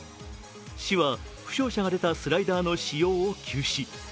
市は負傷者が出たスライダーの使用を休止。